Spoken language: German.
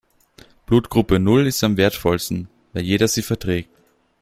Blutgruppe Null ist am wertvollsten, weil jeder sie verträgt.